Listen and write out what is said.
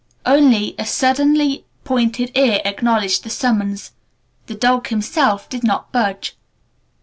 Only a suddenly pointed ear acknowledged the summons. The dog himself did not budge.